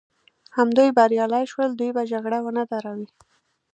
همدوی بریالي شول، دوی به جګړه ونه دروي.